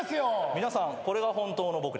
皆さんこれが本当の僕です。